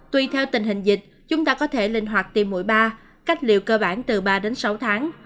tùy theo tình hình dịch chúng ta có thể linh hoạt tiêm mũi ba cách liệu cơ bản từ ba đến sáu tháng